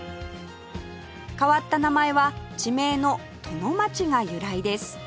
変わった名前は地名の殿町が由来です